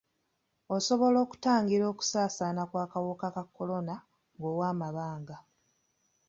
Osobola okutangira okusaasaana kw'akawuka ka kolona ng'owa amabanga.